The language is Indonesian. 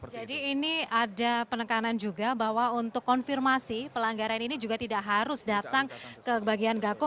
jadi ini ada penekanan juga bahwa untuk konfirmasi pelanggaran ini juga tidak harus datang ke bagian gakkum